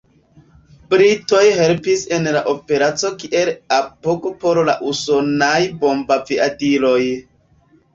Britoj helpis en la Operaco kiel apogo por la usonaj bombaviadiloj.